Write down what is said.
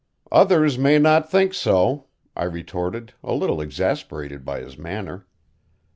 "Others may not think so," I retorted, a little exasperated by his manner.